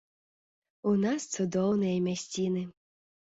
У нас цудоўныя мясціны.